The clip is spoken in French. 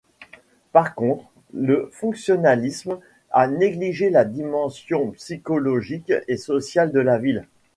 Par contre, le fonctionnalisme a négligé la dimension psychologique et sociale de la ville.